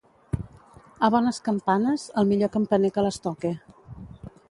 A bones campanes, el millor campaner que les toque